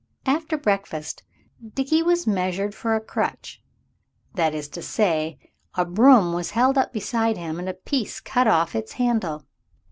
After breakfast Dickie was measured for a crutch that is to say, a broom was held up beside him and a piece cut off its handle.